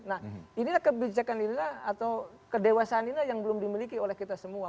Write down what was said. nah inilah kebijakan inilah atau kedewasaan inilah yang belum dimiliki oleh kita semua